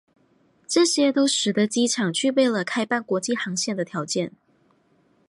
这些都使得机场具备了开办国际航线的条件。